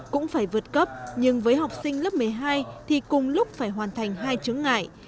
cũng phải vượt cấp nhưng với học sinh lớp một mươi hai thì cùng lúc phải hoàn thành hai chứng ngại